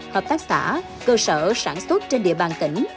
hợp tác xã cơ sở sản xuất trên địa bàn tỉnh